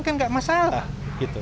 kan enggak masalah gitu